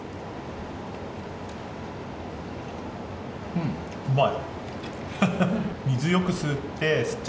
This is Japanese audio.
うん、うまい。